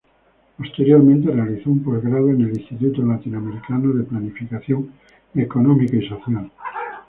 Posteriormente realizó un postgrado en el Instituto Latinoamericano de Planificación Económica y Social.